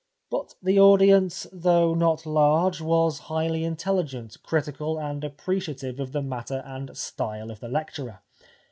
But the audience though not large was highly intelligent, critical and appreciative of the matter and style of the lecturer.